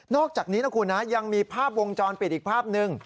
อกจากนี้นะคุณนะยังมีภาพวงจรปิดอีกภาพหนึ่ง